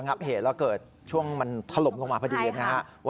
มีลองโปนอยู่คนเดียว